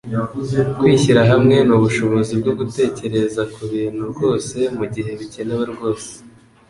Kwishyira hamwe nubushobozi bwo gutekereza kubintu rwose mugihe bikenewe rwose.